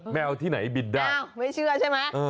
แมวที่ไหนบินได้ไม่เชื่อใช่ไหม